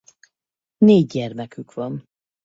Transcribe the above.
Négy gyermekük van.